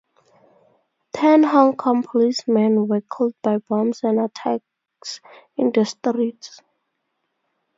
Ten Hong Kong policemen were killed by bombs and attacks in the streets.